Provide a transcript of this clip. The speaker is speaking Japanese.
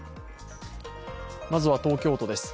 まずは、東京都です。